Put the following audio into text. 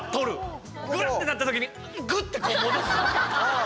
ぐらってなった時にぐって、こう戻す。